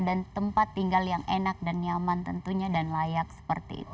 dan keempat tinggal yang enak dan nyaman tentunya dan layak seperti itu